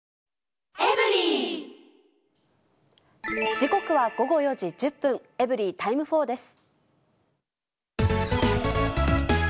時刻は午後４時１０分、エブリィタイム４です。